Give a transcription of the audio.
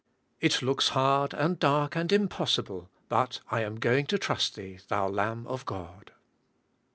It looks hard, and dark, and impossible, but I am going to trust Thee, Thou Lamb of God.